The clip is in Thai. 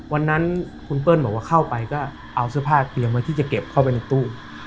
วันนั้นคุณเปิ้ลบอกว่าเข้าไปก็เอาเสื้อผ้าเตรียมไว้ที่จะเก็บเข้าไปในตู้